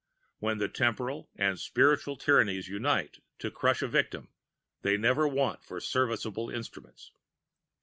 When the temporal and spiritual tyrannies unite to crush a victim they never want for serviceable instruments.